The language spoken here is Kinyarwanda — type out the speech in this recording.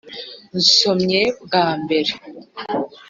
nsomye bwa mbere!